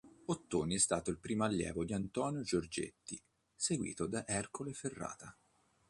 Ottoni è stato il primo allievo di Antonio Giorgetti, seguito da Ercole Ferrata.